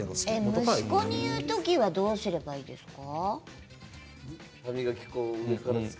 息子に言う時はどうすればいいですか？